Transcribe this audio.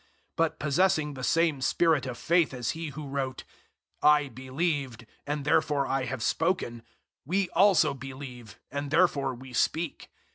004:013 But possessing the same Spirit of faith as he who wrote, "I believed, and therefore I have spoken," we also believe, and therefore we speak.